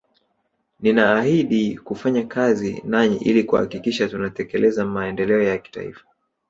Ninaahidhi kufanya kazi nanyi ili kuhakikisha tunatekeleza maendeleo ya kitaifa